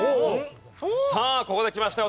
さあここできましたよ